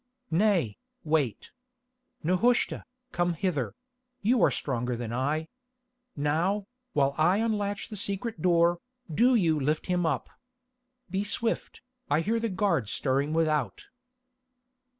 "Nay, wait. Nehushta, come hither; you are stronger than I. Now, while I unlatch the secret door, do you lift him up. Be swift, I hear the guard stirring without."